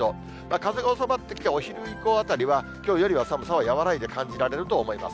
風が収まってきて、お昼以降あたりは、きょうよりは寒さは和らいで感じられると思います。